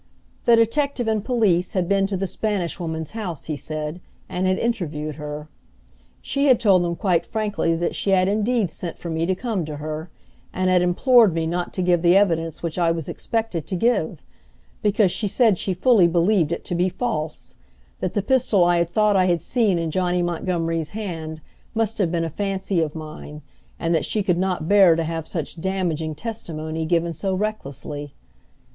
The detective and police had been to the Spanish Woman's house, he said, and had interviewed her. She had told them quite frankly that she had indeed sent for me to come to her, and had implored me not to give the evidence which I was expected to give; because she said she fully believed it to be false that the pistol I had thought I had seen in Johnny Montgomery's hand must have been a fancy of mine, and that she could not bear to have such damaging testimony given so recklessly.